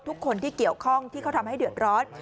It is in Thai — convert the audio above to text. ทุกคนที่เกี่ยวข้องที่เขาทำให้เดือดร้อน